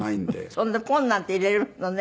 そんなポンッなんて入れるのね。